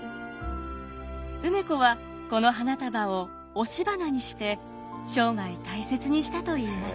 梅子はこの花束を押し花にして生涯大切にしたといいます。